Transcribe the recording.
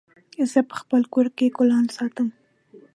زه په خپل کور کي ګلان ساتم